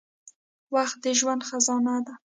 • وخت د ژوند خزانه ده.